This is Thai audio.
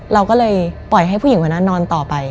เราก็เลยปล่อยให้ผู้หญิงคนนั้นนอนต่อไป